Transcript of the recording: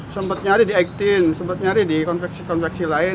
sempat nyari di actin sempat nyari di konveksi konveksi lain